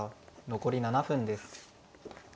残り７分です。